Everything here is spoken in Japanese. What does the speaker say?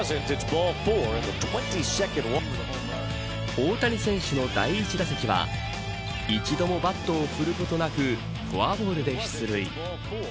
大谷選手の第１打席は一度もバットを振ることなくフォアボールで出塁。